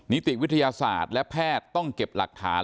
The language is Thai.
นิติวิทยาศาสตร์และแพทย์ต้องเก็บหลักฐาน